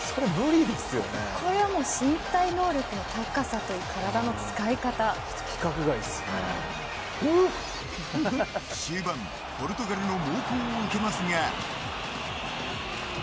これは身体能力の高さといい終盤ポルトガルの猛攻を受けますが。